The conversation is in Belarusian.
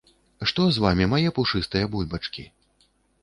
Што з вамі, мае пушыстыя бульбачкі?